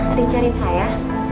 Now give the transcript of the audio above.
ada yang cari saya